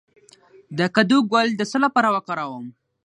د کدو ګل د څه لپاره وکاروم؟